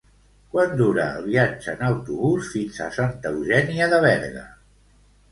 Quant dura el viatge en autobús fins a Santa Eugènia de Berga?